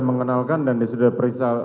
mengenalkan dan dia sudah periksa